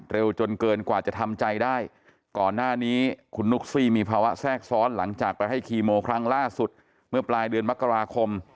จนเกินกว่าจะทำใจได้ก่อนหน้านี้คุณนุ๊กซี่มีภาวะแทรกซ้อนหลังจากไปให้คีโมครั้งล่าสุดเมื่อปลายเดือนมกราคม